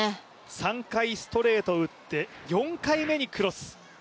３回、ストレートを打って４回目にクロス。